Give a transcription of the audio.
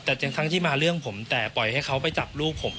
แต่ทั้งที่มาเรื่องผมแต่ปล่อยให้เขาไปจับลูกผม